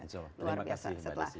terima kasih mbak desi